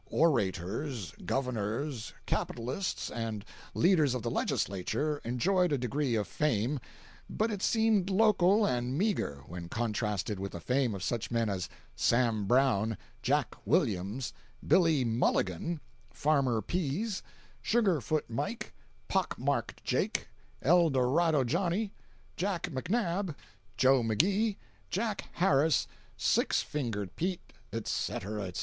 Orators, Governors, capitalists and leaders of the legislature enjoyed a degree of fame, but it seemed local and meagre when contrasted with the fame of such men as Sam Brown, Jack Williams, Billy Mulligan, Farmer Pease, Sugarfoot Mike, Pock Marked Jake, El Dorado Johnny, Jack McNabb, Joe McGee, Jack Harris, Six fingered Pete, etc., etc.